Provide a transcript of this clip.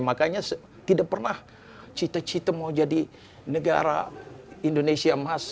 makanya tidak pernah cita cita mau jadi negara indonesia emas